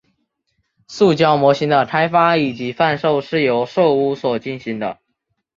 塑胶模型的开发以及贩售是由寿屋所进行的。